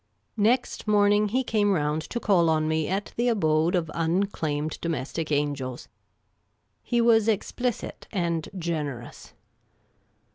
" Next morning, he came round to call on me at the Abode of Unclaimed Domestic Angels. He was explicit and generous.